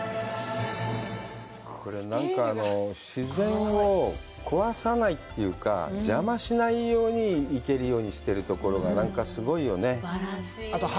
これなんか自然を壊さないというか、邪魔しないように行けるようにしているところがすごいよね。